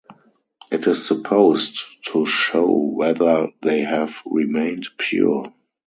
It is supposed to show whether they have remained pure.